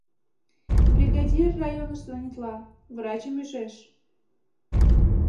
Бригадир районыш звонитла, врачым ӱжеш.